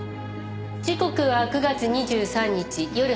時刻は９月２３日夜８時７分。